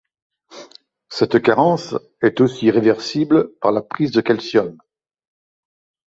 Cette carence est aussi réversible par la prise de calcium.